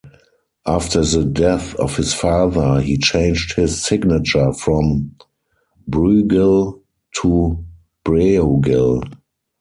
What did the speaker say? After the death of his father he changed his signature from 'Brueghel' to 'Breughel'.